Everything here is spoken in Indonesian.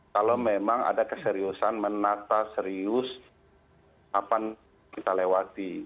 kalau memang ada keseriusan menata serius apa yang kita lewati